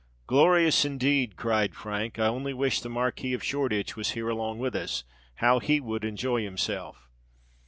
"Glorious, indeed!" cried Frank. "I only wish the Marquis of Shoreditch was here along with us—how he would enjoy himself!"